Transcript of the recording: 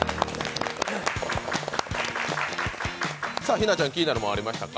日奈ちゃん、気になるものはありましたか？